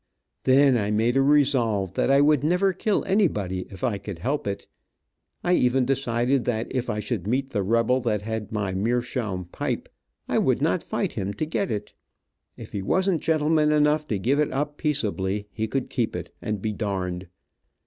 Then I made a resolve that I would never kill anybody if I could help it; I even decided that if I should meet the rebel that had my meershaum pipe, I would not fight him to get it. If he wasn't gentleman enough to give it up peaceably, he could keep it, and be darned.